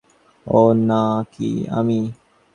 ও না-কি আমি।